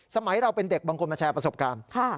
สมัยเราเป็นเด็กบางคนมาแชร์ประสบการณ์